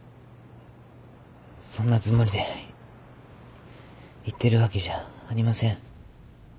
そんなつもりで言っているわけじゃありません。